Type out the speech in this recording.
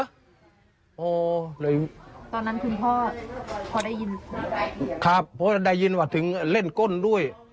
ตอนนั้นคุณพ่อพอได้ยินครับเพราะได้ยินว่าถึงเล่นก้นด้วย